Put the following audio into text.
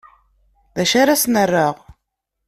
D acu ara sen-rreɣ?